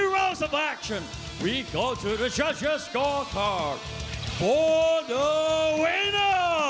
รักษา